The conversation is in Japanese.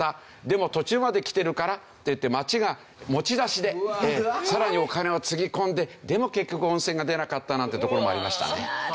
でも途中まできてるからといって町が持ち出しでさらにお金をつぎ込んででも結局温泉が出なかったなんてところもありましたね。